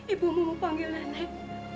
ibu mau panggil nenek